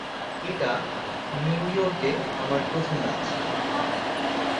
এটা, নিউ ইয়র্কে আমার প্রথম নাচ।